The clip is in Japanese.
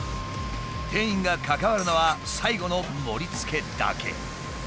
店員が関わるのは最後の盛りつけだけ。